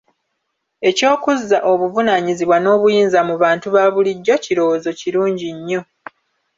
Eky'okuzza obuvunaanyizibwa n'obuyinza mu bantu ba bulijjo kirowoozo kirungi nnyo.